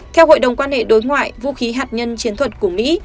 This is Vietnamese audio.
theo hội đồng quan hệ đối ngoại vũ khí hạt nhân chiến thuật của mỹ